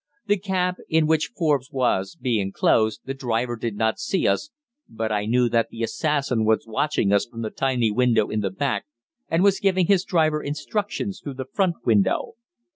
The cab in which Forbes was, being closed, the driver did not see us, but I knew that the assassin was watching us from the tiny window in the back, and was giving his driver instructions through the front window.